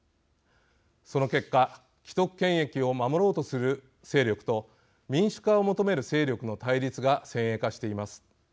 その結果既得権益を守ろうとする勢力と民主化を求める勢力の対立が先鋭化しています。